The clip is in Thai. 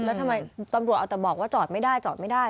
แล้วทำไมตำรวจเอาแต่บอกว่าจอดไม่ได้จอดไม่ได้